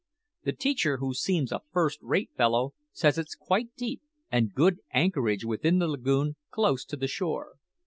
The teacher, who seems a first rate fellow, says it's quite deep, and good anchorage within the lagoon close to the shore."